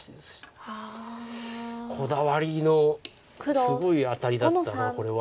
こだわりのすごいアタリだったこれは。